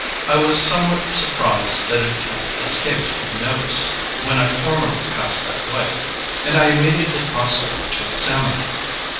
I was somewhat surprised that it had escaped my notice when I formerly passed that way, and I immediately crossed over to examine it.